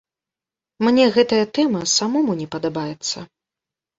Мне гэтая тэма самому не падабаецца.